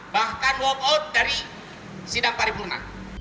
bahkan walk out dari sidang paripurna